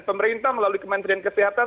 pemerintah melalui kementerian kesehatan